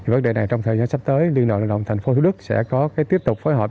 vấn đề này trong thời gian sắp tới liên đoàn lao động tp thủ đức sẽ có tiếp tục phối hợp